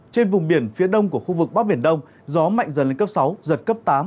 trên vùng biển phía đông của khu vực bắc biển đông gió mạnh dần lên cấp sáu giật cấp tám